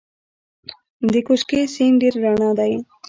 د کوکچې سیند ډیر رڼا دی